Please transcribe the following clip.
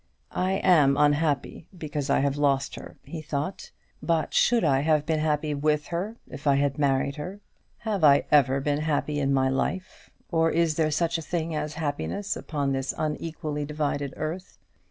"I am unhappy because I have lost her," he thought; "but should I have been happy with her, if I had married her? Have I ever been happy in my life, or is there such a thing as happiness upon this unequally divided earth?